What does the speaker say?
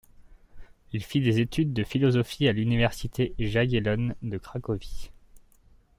Il fit des études de philosophie à l'université jagellonne de Cracovie.